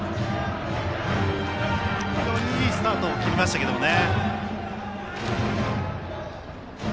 非常にいいスタートを切りましたけどね。